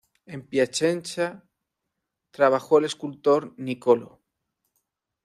En Piacenza trabajó el escultor Niccolò.